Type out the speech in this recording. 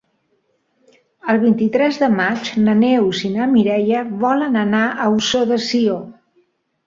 El vint-i-tres de maig na Neus i na Mireia volen anar a Ossó de Sió.